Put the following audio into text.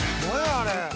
あれ。